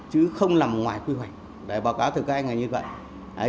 chứ không làm ngoài quy hoạch để báo cáo thực các anh là như vậy